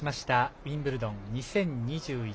ウィンブルドン２０２１。